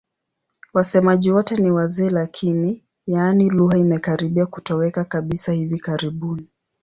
Wasemaji wote ni wazee lakini, yaani lugha imekaribia kutoweka kabisa hivi karibuni.